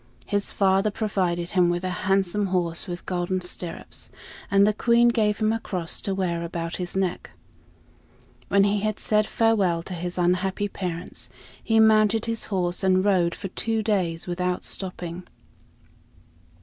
His father provided him with a handsome horse with golden stirrups, and the Queen gave him a cross to wear about his neck. When he had said farewell to his unhappy parents, he mounted his horse and rode for two days without stopping.